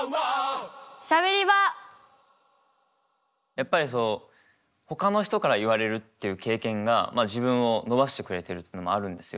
やっぱりそのほかの人から言われるっていう経験が自分を伸ばしてくれてるっていうのもあるんですよ。